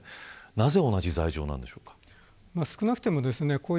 なぜ同じ罪状なんでしょうか。